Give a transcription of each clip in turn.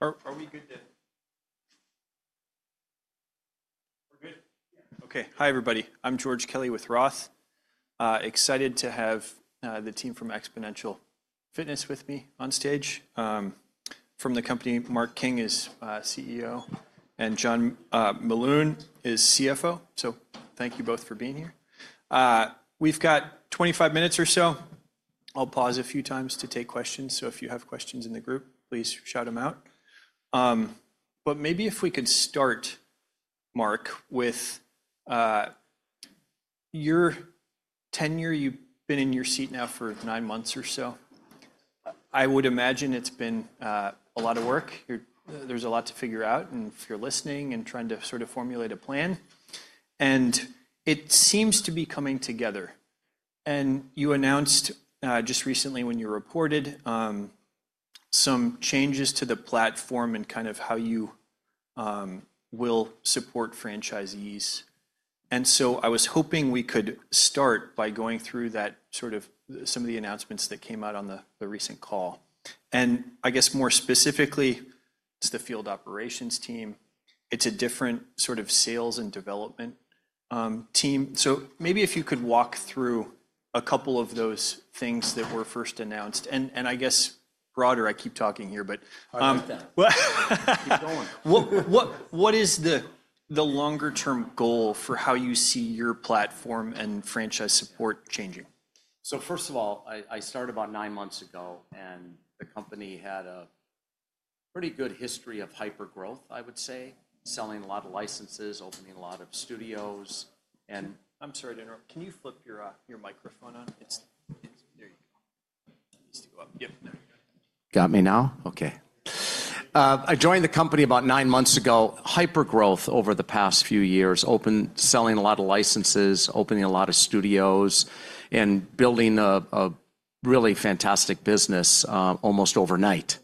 Are we good? Okay, hi everybody. I'm George Kelly with Roth. Excited to have the team from Xponential Fitness with me on stage. From the company, Mark King is CEO, and John Meloun is CFO. Thank you both for being here. We've got 25 minutes or so. I'll pause a few times to take questions. If you have questions in the group, please shout them out. Maybe if we could start, Mark, with your tenure. You've been in your seat now for nine months or so. I would imagine it's been a lot of work. There's a lot to figure out, and if you're listening and trying to sort of formulate a plan, it seems to be coming together. You announced just recently when you reported some changes to the platform and kind of how you will support franchisees. I was hoping we could start by going through that, sort of, some of the announcements that came out on the recent call. I guess more specifically, it's the field operations team. It's a different sort of sales and development team. Maybe if you could walk through a couple of those things that were first announced. I guess broader, I keep talking here, but, I like that. Keep going. What is the longer-term goal for how you see your platform and franchise support changing? First of all, I started about nine months ago, and the company had a pretty good history of hyper-growth, I would say, selling a lot of licenses, opening a lot of studios. I'm sorry to interrupt. Can you flip your microphone on? It's there. It's too up. Yep. Got me now. Okay. I joined the company about nine months ago. Hyper-growth over the past few years, selling a lot of licenses, opening a lot of studios, and building a really fantastic business, almost overnight.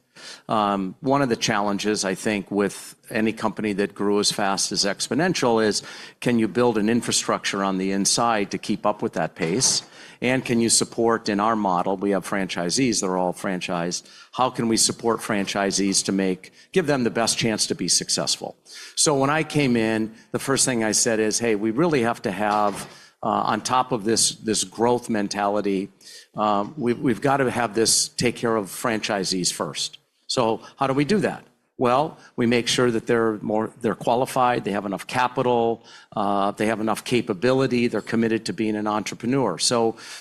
One of the challenges, I think, with any company that grew as fast as Xponential is, can you build an infrastructure on the inside to keep up with that pace? Can you support, in our model, we have franchisees that are all franchised. How can we support franchisees to give them the best chance to be successful? When I came in, the first thing I said is, hey, we really have to have, on top of this, this growth mentality, we've got to have this take care of franchisees first. How do we do that? We make sure that they're more, they're qualified, they have enough capital, they have enough capability, they're committed to being an entrepreneur.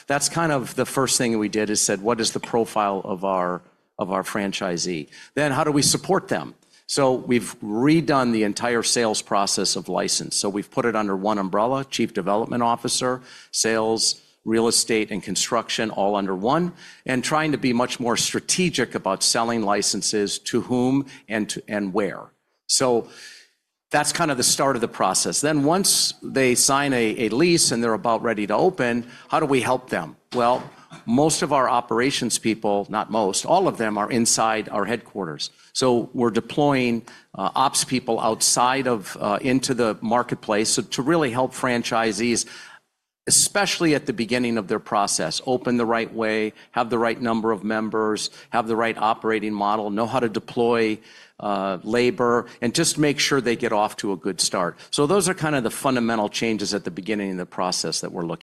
That's kind of the first thing we did is said, what is the profile of our, of our franchisee? Then how do we support them? We've redone the entire sales process of license. We've put it under one umbrella, Chief Development Officer, Sales, especially at the beginning of their process, open the right way, have the right number of members, have the right operating model, know how to deploy labor, and just make sure they get off to a good start. Those are kind of the fundamental changes at the beginning of the process that we're looking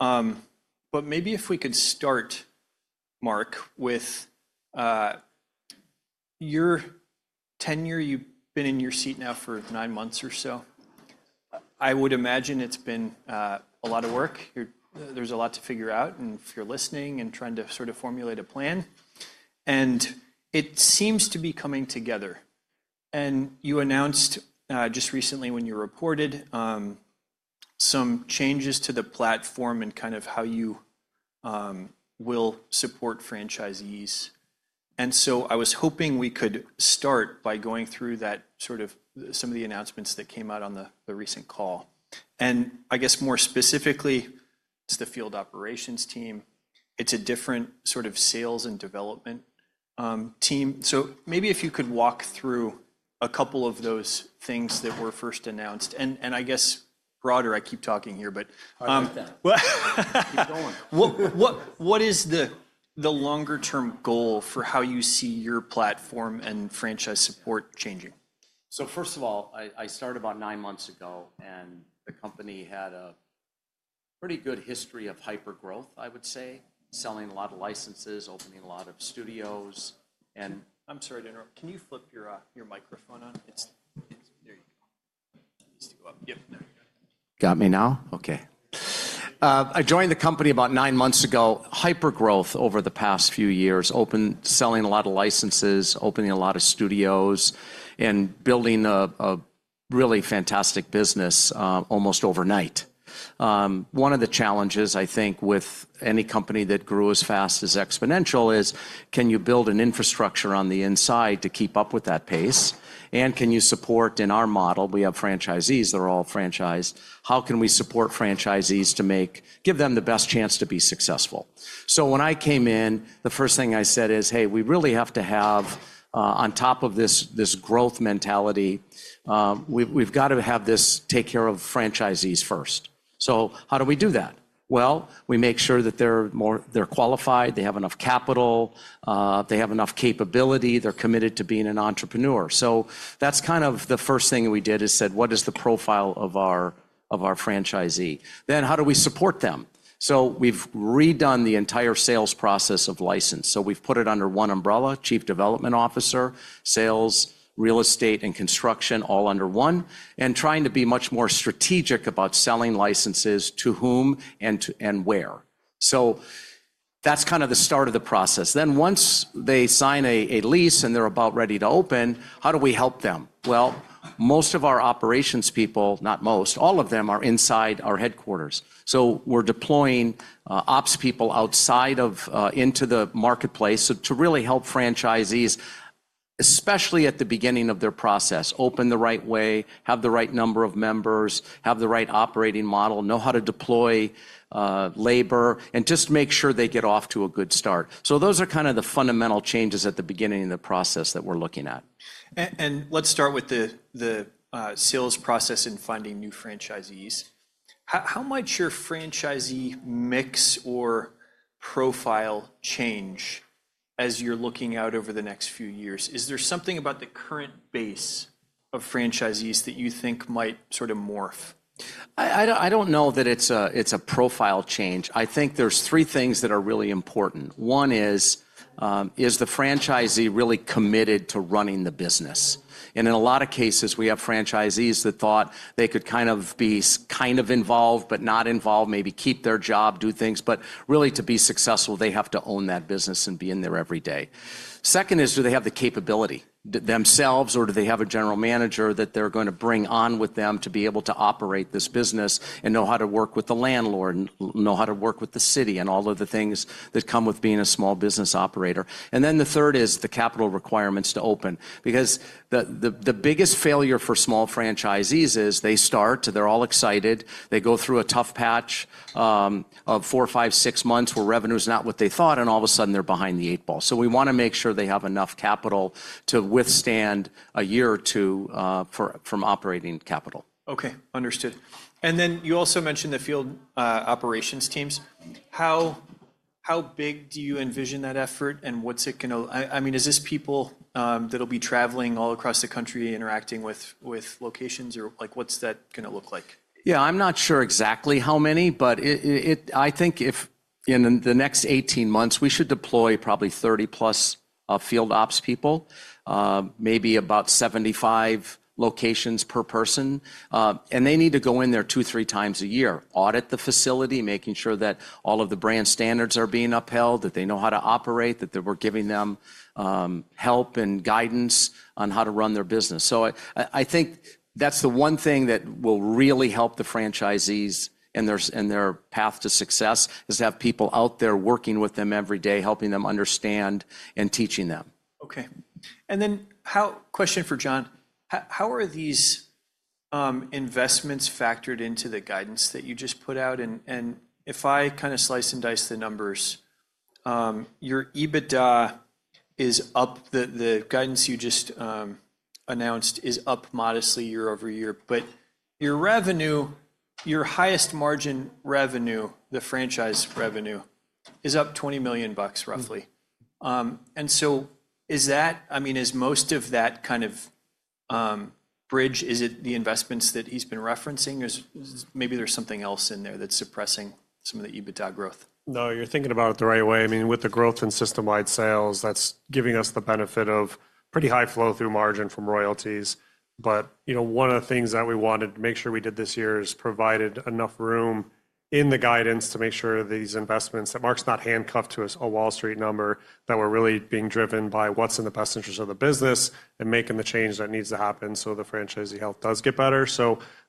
Maybe if we could start, Mark, with your tenure, you've been in your seat now for nine months or so. I would imagine it's been a lot of work. There's a lot to figure out and if you're listening and trying to sort of formulate a plan. It seems to be coming together. You announced, just recently when you reported, some changes to the platform and kind of how you will support franchisees. I was hoping we could start by going through that sort of some of the announcements that came out on the recent call. I guess more specifically, it's the field operations team. It's a different sort of sales and development team. Maybe if you could walk through a couple of those things that were first announced and, I guess broader, I keep talking here, but, Keep going. What is the longer term goal for how you see your platform and franchise support changing? First of all, I started about nine months ago and the company had a pretty good history of hyper growth, I would say, selling a lot of licenses, opening a lot of studios. I'm sorry to interrupt. Can you flip your microphone on? There you go. You need to go up. Yep. Got me now. Okay. I joined the company about nine months ago. Hyper growth over the past few years, selling a lot of licenses, opening a lot of studios and building a really fantastic business, almost overnight. One of the challenges I think with any company that grew as fast as Xponential is can you build an infrastructure on the inside to keep up with that pace? Can you support in our model, we have franchisees that are all franchised. How can we support franchisees to make, give them the best chance to be successful? When I came in, the first thing I said is, hey, we really have to have, on top of this, this growth mentality, we've got to have this take care of franchisees first. How do we do that? We make sure that they're more, they're qualified, they have enough capital, they have enough capability, they're committed to being an entrepreneur. That's kind of the first thing we did is said, what is the profile of our, of our franchisee? How do we support them? We've redone the entire sales process of license. We've put it under one umbrella, Chief Development Officer, Sales, Real Estate, and Construction, all under one, and trying to be much more strategic about selling licenses to whom and to, and where. That's kind of the start of the process. Once they sign a lease and they're about ready to open, how do we help them? Most of our operations people, not most, all of them are inside our headquarters. We're deploying ops people outside of, into the marketplace to really help franchisees, especially at the beginning of their process, open the right way, have the right number of members, have the right operating model, know how to deploy labor, and just make sure they get off to a good start. Those are kind of the fundamental changes at the beginning of the process that we're looking at. Let's start with the sales process and finding new franchisees. How much does your franchisee mix or profile change as you're looking out over the next few years? Is there something about the current base of franchisees that you think might sort of morph? I don't, I don't know that it's a, it's a profile change. I think there's three things that are really important. One is, is the franchisee really committed to running the business? And in a lot of cases, we have franchisees that thought they could kind of be kind of involved, but not involved, maybe keep their job, do things, but really to be successful, they have to own that business and be in there every day. Second is, do they have the capability themselves, or do they have a general manager that they're going to bring on with them to be able to operate this business and know how to work with the landlord, know how to work with the city and all of the things that come with being a small business operator? The third is the capital requirements to open, because the biggest failure for small franchisees is they start, they're all excited, they go through a tough patch of four, five, six months where revenue is not what they thought, and all of a sudden they're behind the eight ball. We want to make sure they have enough capital to withstand a year or two, from operating capital. Okay. Understood. You also mentioned the field operations teams. How big do you envision that effort and what's it going to, I mean, is this people that'll be traveling all across the country, interacting with locations or like what's that going to look like? Yeah, I'm not sure exactly how many, but I think if in the next 18 months, we should deploy probably 30 plus field ops people, maybe about 75 locations per person. They need to go in there two, three times a year, audit the facility, making sure that all of the brand standards are being upheld, that they know how to operate, that we're giving them help and guidance on how to run their business. I think that's the one thing that will really help the franchisees and their path to success is to have people out there working with them every day, helping them understand and teaching them. Okay. Question for John, how are these investments factored into the guidance that you just put out? If I kind of slice and dice the numbers, your EBITDA is up, the guidance you just announced is up modestly year over year, but your revenue, your highest margin revenue, the franchise revenue, is up $20 million roughly. Is most of that kind of bridge, is it the investments that he's been referencing? Is maybe there something else in there that's suppressing some of the EBITDA growth? No, you're thinking about it the right way. I mean, with the growth and system-wide sales, that's giving us the benefit of pretty high flow through margin from royalties. You know, one of the things that we wanted to make sure we did this year is provided enough room in the guidance to make sure these investments that Mark's not handcuffed to us a Wall Street number, that we're really being driven by what's in the best interest of the business and making the change that needs to happen so the franchisee health does get better.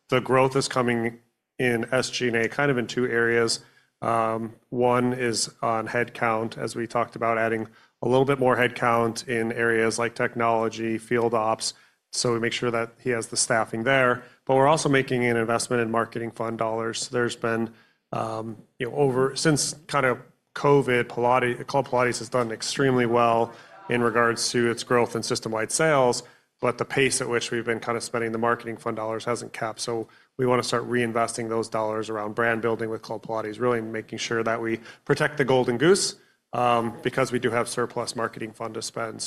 The growth is coming in SG&A kind of in two areas. One is on headcount, as we talked about, adding a little bit more headcount in areas like technology, field ops. We make sure that he has the staffing there, but we're also making an investment in marketing fund dollars. There's been, you know, over since kind of COVID, Club Pilates has done extremely well in regards to its growth and system-wide sales, but the pace at which we've been kind of spending the marketing fund dollars hasn't capped. We want to start reinvesting those dollars around brand building with Club Pilates, really making sure that we protect the golden goose, because we do have surplus marketing fund to spend.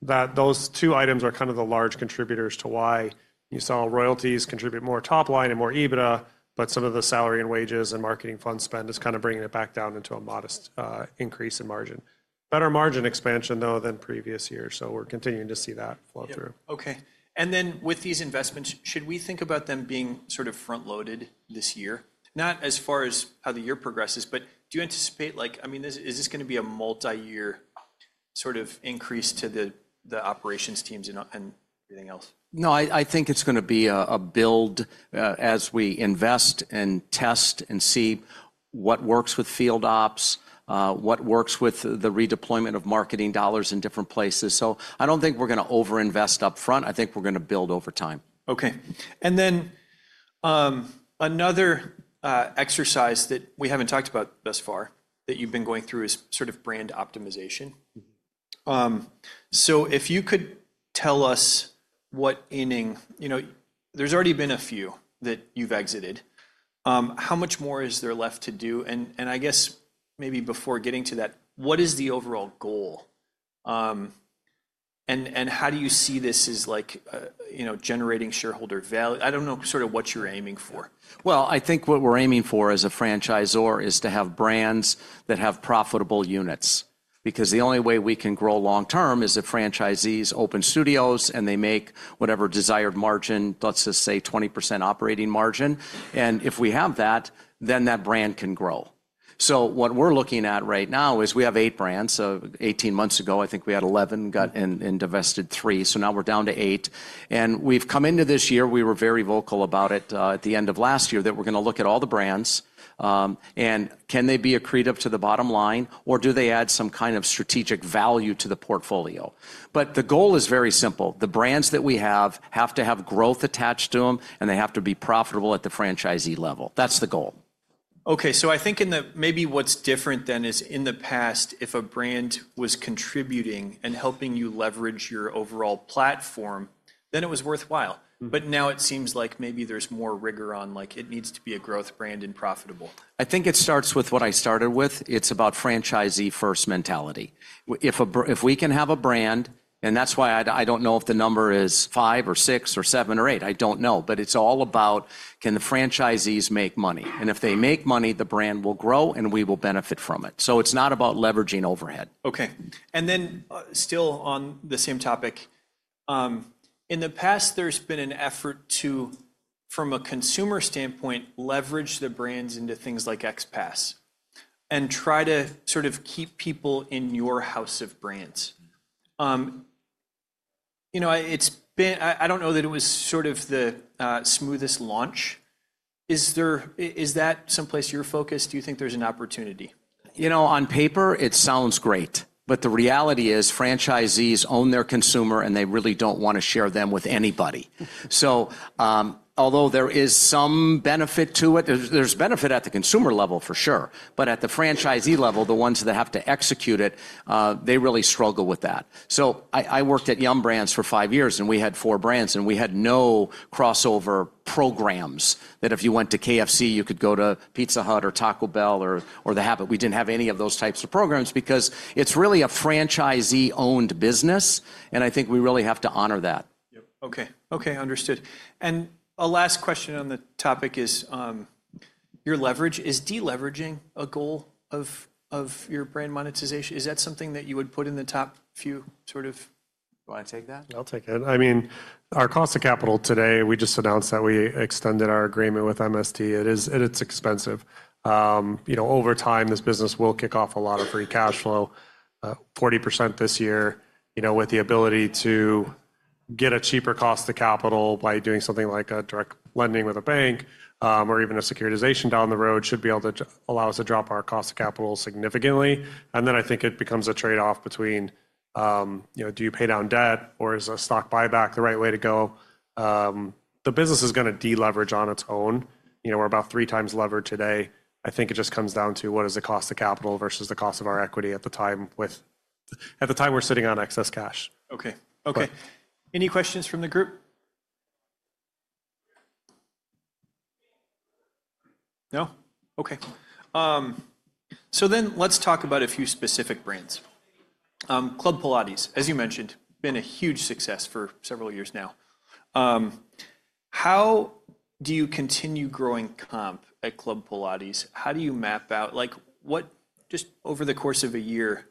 Those two items are kind of the large contributors to why you saw royalties contribute more top line and more EBITDA, but some of the salary and wages and marketing fund spend is kind of bringing it back down into a modest, increase in margin. Better margin expansion though than previous years. We're continuing to see that flow through. Okay. With these investments, should we think about them being sort of front-loaded this year? Not as far as how the year progresses, but do you anticipate, like, I mean, is this going to be a multi-year sort of increase to the operations teams and everything else? No, I think it's going to be a build, as we invest and test and see what works with field ops, what works with the redeployment of marketing dollars in different places. I don't think we're going to over-invest upfront. I think we're going to build over time. Okay. And then, another exercise that we haven't talked about thus far that you've been going through is sort of brand optimization. If you could tell us what inning, you know, there's already been a few that you've exited. How much more is there left to do? And I guess maybe before getting to that, what is the overall goal? And how do you see this is like, you know, generating shareholder value? I don't know sort of what you're aiming for. I think what we're aiming for as a franchisor is to have brands that have profitable units, because the only way we can grow long-term is if franchisees open studios and they make whatever desired margin, let's just say 20% operating margin. If we have that, then that brand can grow. What we're looking at right now is we have eight brands. Eighteen months ago, I think we had 11, got in, and divested three. Now we're down to eight. We have come into this year, we were very vocal about it at the end of last year that we're going to look at all the brands, and can they be accretive to the bottom line or do they add some kind of strategic value to the portfolio? The goal is very simple. The brands that we have have to have growth attached to them and they have to be profitable at the franchisee level. That's the goal. I think in the, maybe what's different then is in the past, if a brand was contributing and helping you leverage your overall platform, then it was worthwhile. Now it seems like maybe there's more rigor on like, it needs to be a growth brand and profitable. I think it starts with what I started with. It's about franchisee first mentality. If we can have a brand, and that's why I don't know if the number is five or six or seven or eight, I don't know, but it's all about can the franchisees make money? If they make money, the brand will grow and we will benefit from it. It is not about leveraging overhead. Okay. Still on the same topic, in the past, there's been an effort to, from a consumer standpoint, leverage the brands into things like XPASS and try to sort of keep people in your house of brands. You know, I don't know that it was sort of the smoothest launch. Is that someplace you're focused? Do you think there's an opportunity? You know, on paper, it sounds great, but the reality is franchisees own their consumer and they really do not want to share them with anybody. Although there is some benefit to it, there is benefit at the consumer level for sure, but at the franchisee level, the ones that have to execute it, they really struggle with that. I worked at Yum! Brands for five years and we had four brands and we had no crossover programs that if you went to KFC, you could go to Pizza Hut or Taco Bell or The Habit. We did not have any of those types of programs because it is really a franchisee owned business. I think we really have to honor that. Yep. Okay. Okay. Understood. A last question on the topic is, your leverage is deleveraging a goal of your brand monetization. Is that something that you would put in the top few sort of? Do I take that? I'll take that. I mean, our cost of capital today, we just announced that we extended our agreement with MSD. It is, it's expensive. You know, over time, this business will kick off a lot of free cash flow, 40% this year, you know, with the ability to get a cheaper cost of capital by doing something like a direct lending with a bank, or even a securitization down the road should be able to allow us to drop our cost of capital significantly. I think it becomes a trade-off between, you know, do you pay down debt or is a stock buyback the right way to go? The business is going to deleverage on its own. You know, we're about three times levered today. I think it just comes down to what is the cost of capital versus the cost of our equity at the time, with, at the time we're sitting on excess cash. Okay. Okay. Any questions from the group? No? Okay. Let's talk about a few specific brands. Club Pilates, as you mentioned, been a huge success for several years now. How do you continue growing comp at Club Pilates? How do you map out, like what, just over the course of a year,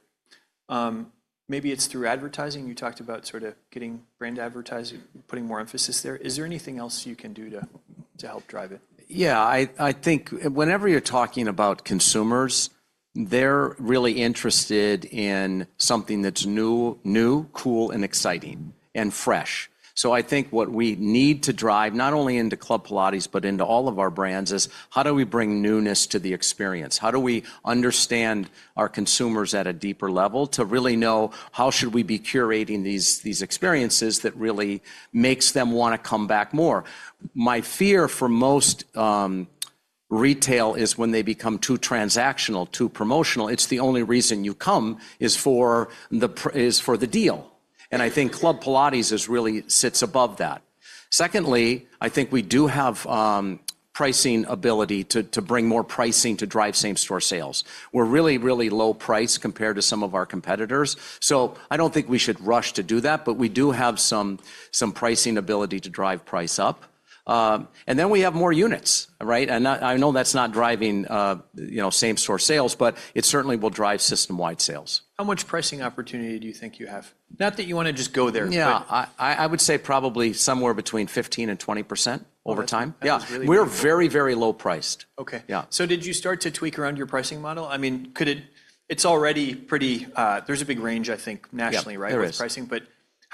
maybe it's through advertising. You talked about sort of getting brand advertising, putting more emphasis there. Is there anything else you can do to help drive it? Yeah, I think whenever you're talking about consumers, they're really interested in something that's new, new, cool, and exciting and fresh. I think what we need to drive not only into Club Pilates, but into all of our brands is how do we bring newness to the experience? How do we understand our consumers at a deeper level to really know how should we be curating these, these experiences that really makes them want to come back more? My fear for most retail is when they become too transactional, too promotional, it's the only reason you come is for the deal. I think Club Pilates really sits above that. Secondly, I think we do have pricing ability to bring more pricing to drive same-store sales. We're really, really low priced compared to some of our competitors. I don't think we should rush to do that, but we do have some pricing ability to drive price up. And then we have more units, right? I know that's not driving, you know, same-store sales, but it certainly will drive system-wide sales. How much pricing opportunity do you think you have? Not that you want to just go there. Yeah. I would say probably somewhere between 15% and 20% over time. Yeah. We're very, very low priced. Okay. Yeah. Did you start to tweak around your pricing model? I mean, could it, it's already pretty, there's a big range, I think, nationally, right? There is. Pricing,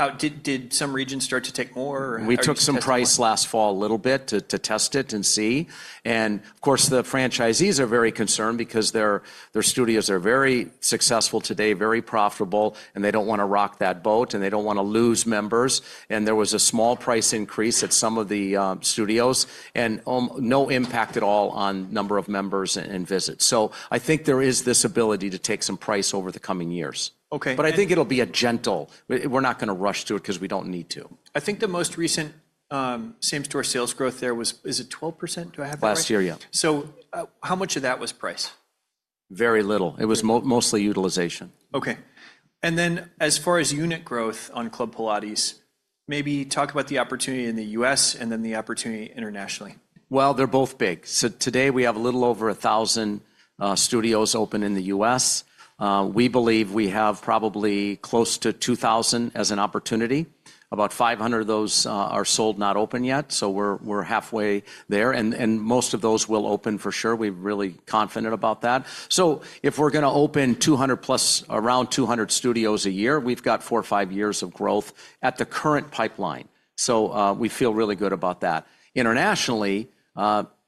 but how did some regions start to take more? We took some price last fall a little bit to test it and see. The franchisees are very concerned because their studios are very successful today, very profitable, and they do not want to rock that boat and they do not want to lose members. There was a small price increase at some of the studios and no impact at all on number of members and visits. I think there is this ability to take some price over the coming years. Okay. I think it'll be a gentle, we're not going to rush to it because we don't need to. I think the most recent, same-store sales growth there was, is it 12%? Do I have that? Last year, yeah. How much of that was price? Very little. It was mostly utilization. Okay. As far as unit growth on Club Pilates, maybe talk about the opportunity in the U.S. and then the opportunity internationally. They're both big. Today we have a little over 1,000 studios open in the U.S. We believe we have probably close to 2,000 as an opportunity. About 500 of those are sold, not open yet. We're halfway there and most of those will open for sure. We're really confident about that. If we're going to open 200-plus, around 200 studios a year, we've got four or five years of growth at the current pipeline. We feel really good about that. Internationally,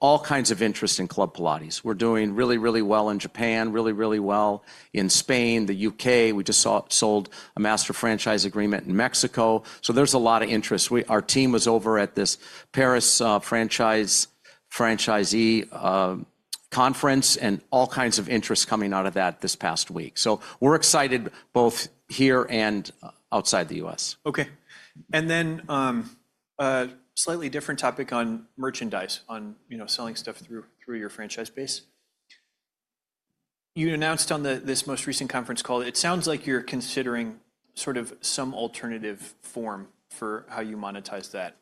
all kinds of interest in Club Pilates. We're doing really, really well in Japan, really, really well in Spain, the U.K. We just sold a master franchise agreement in Mexico. There's a lot of interest. Our team was over at this Paris franchisee conference and all kinds of interest coming out of that this past week. We're excited both here and outside the U.S. Okay. And then, slightly different topic on merchandise, on, you know, selling stuff through, through your franchise base. You announced on the, this most recent conference call, it sounds like you're considering sort of some alternative form for how you monetize that.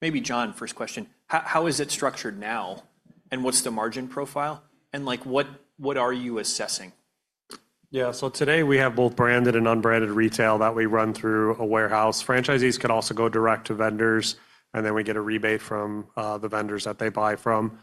Maybe John, first question, how, how is it structured now and what's the margin profile and like what, what are you assessing? Yeah. Today we have both branded and unbranded retail that we run through a warehouse. Franchisees can also go direct to vendors and then we get a rebate from the vendors that they buy from.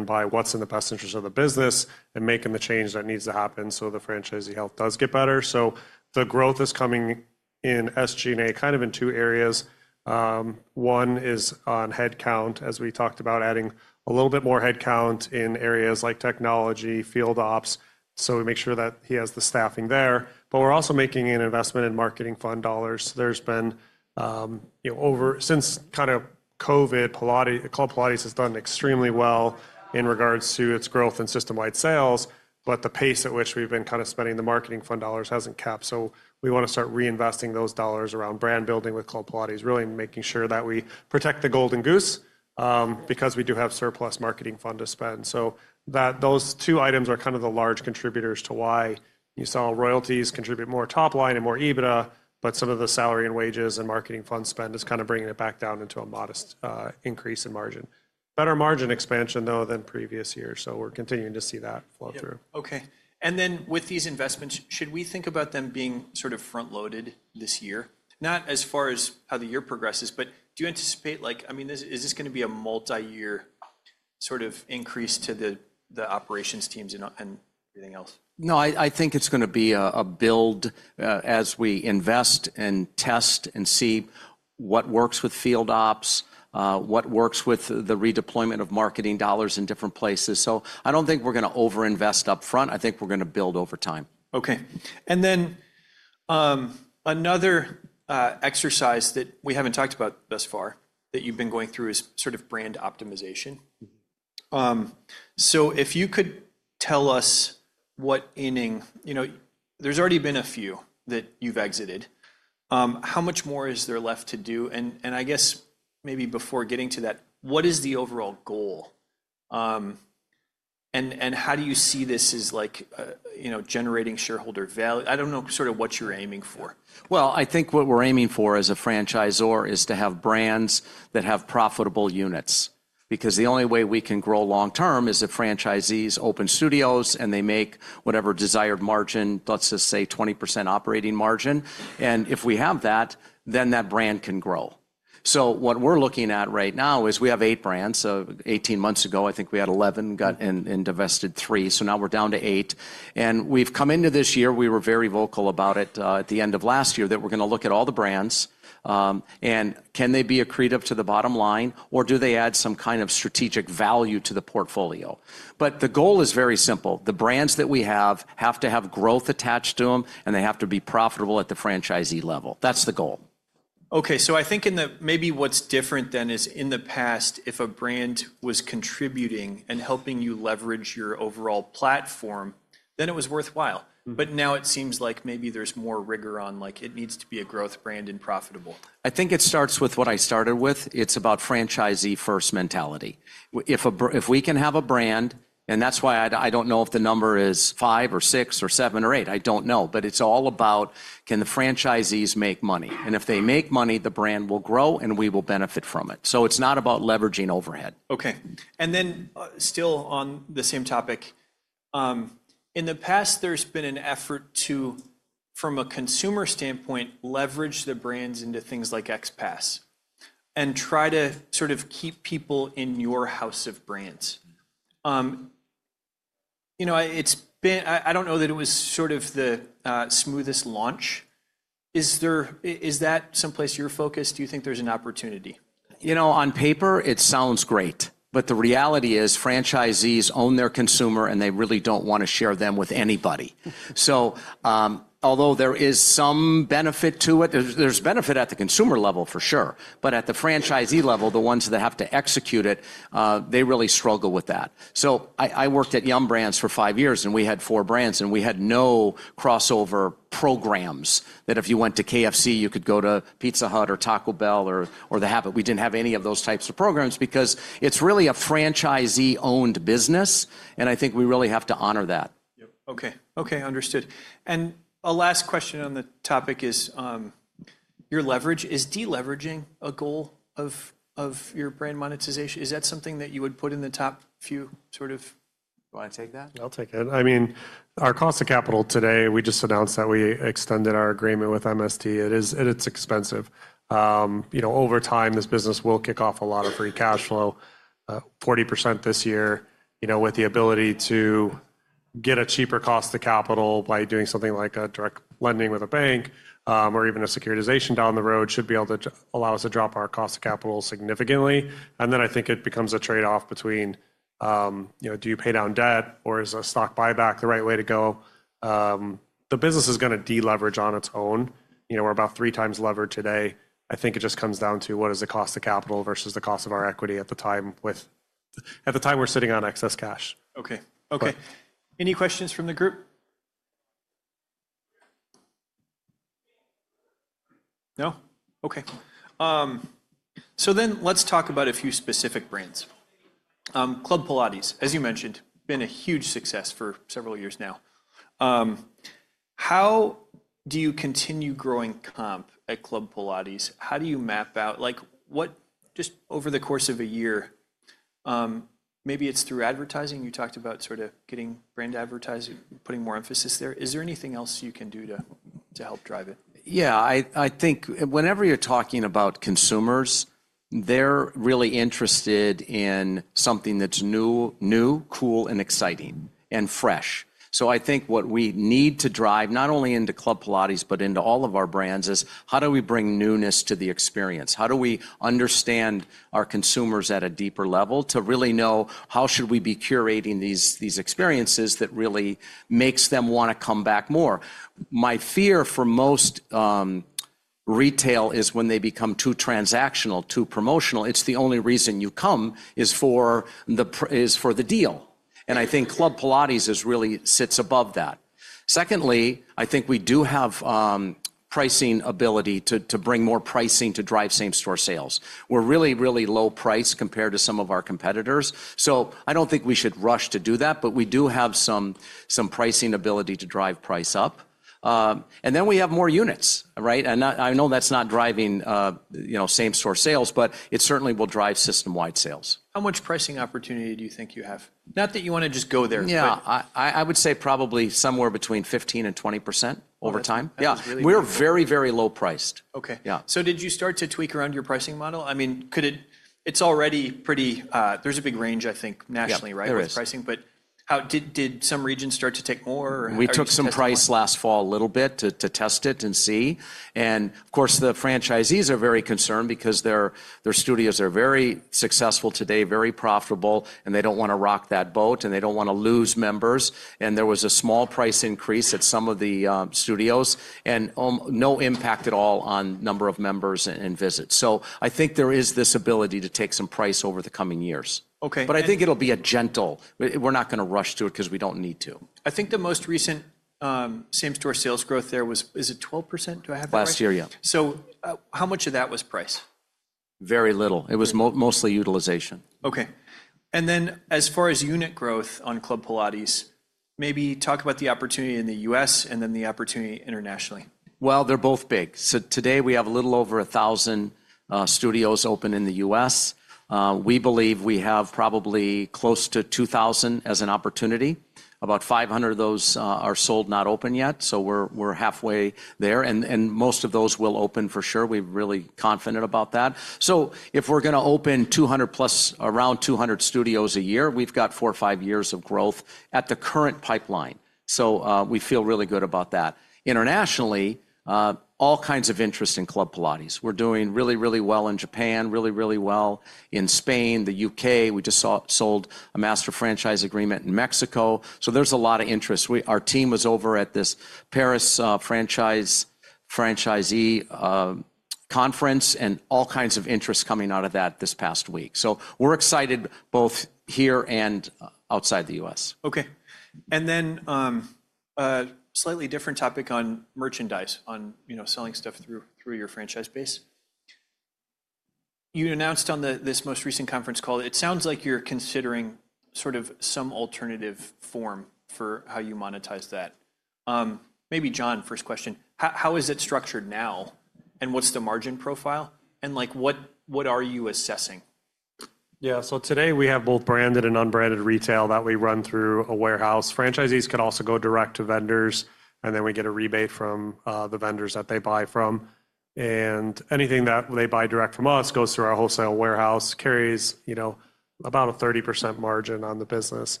Anything that they buy direct from us goes through our wholesale warehouse, carries, you know, about a 30% margin on the business.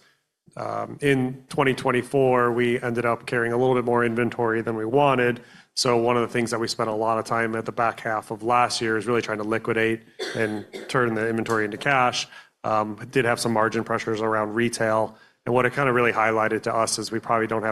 In 2024, we ended up carrying a little bit more inventory than we wanted. One of the things that we spent a lot of time at the back half of last year is really trying to liquidate and turn the inventory into cash. Did have some margin pressures around retail. What it kind of really highlighted to us is we probably don't.